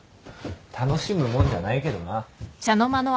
楽しむもんじゃないけどな。